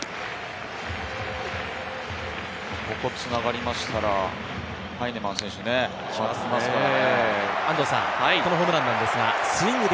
ここつながりましたらハイネマン選手、来ますよね。